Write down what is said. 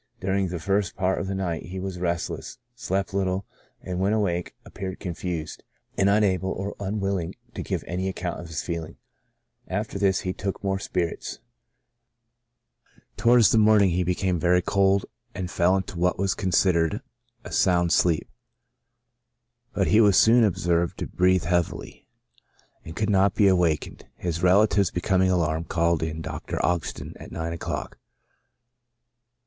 During the first part of the night he was restless, slept little, and when awake appeared confused, and unable or unwilling to give any account of his feelings. After this he took more spirits ; towards the morning he became very cold, and fell into what was considered a sound sleep ; but as he was soon observed to breathe heavily, and could not be awaken ed, his relatives, becoming alarmed, called in Dr. Ogston at nine o'clock.